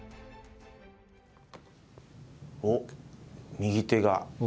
おっ、右手が。